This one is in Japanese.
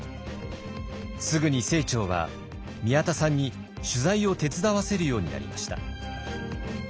すぐに清張は宮田さんに取材を手伝わせるようになりました。